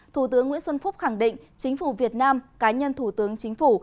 thủ tướng nguyễn xuân phúc khẳng định chính phủ việt nam cá nhân thủ tướng chính phủ